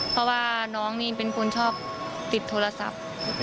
เพราะว่าน้องนี่เป็นคนชอบติดโทรศัพท์